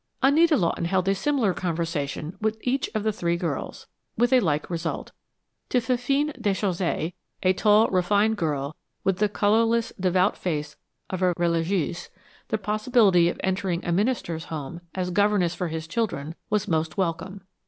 Anita Lawton held a similar conversation with each of the three girls, with a like result. To Fifine Déchaussée, a tall, refined girl, with the colorless, devout face of a religieuse, the probability of entering a minister's home, as governess for his children, was most welcome.